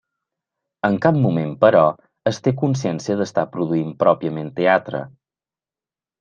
En cap moment, però, es té consciència d’estar produint pròpiament teatre.